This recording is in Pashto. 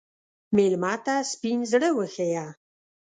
مېلمه ته سپین زړه وښیه.